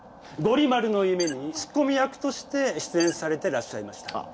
「ゴリ丸の夢」にツッコミ役として出演されてらっしゃいました。